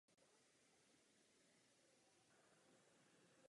Následuje po čísle pět set a předchází číslu pět set dva.